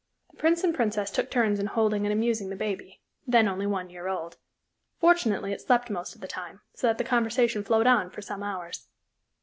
The prince and princess took turns in holding and amusing the baby then only one year old; fortunately it slept most of the time, so that the conversation flowed on for some hours.